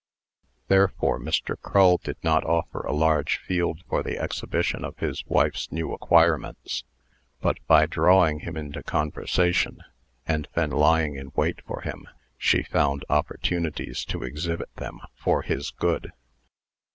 Therefore Mr. Crull did not offer a large field for the exhibition of his wife's new acquirements; but, by drawing him into conversation, and then lying in wait for him, she found opportunities to exhibit them for his good.